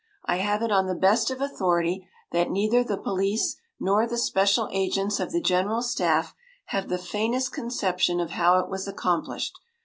“I have it on the best of authority that neither the police nor the special agents of the general staff have the faintest conception of how it was accomplished.